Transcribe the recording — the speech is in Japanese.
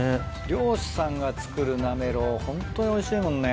漁師さんが作るなめろうホントにおいしいもんね。